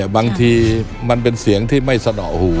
บางทีมันเป็นเสียงที่ไม่สนอหู